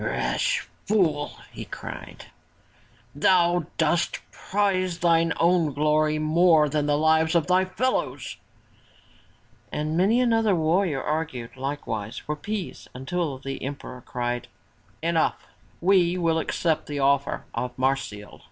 " Rash fool !" he cried, "thou dost prize thine own glory more than the lives of thy fellows !" And many another warrior argued likewise for peace until the emperor cried, "Enough! We will accept the offer of Marsile!"